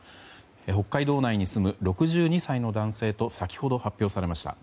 北海道内に住む６２歳の男性と先ほど発表されました。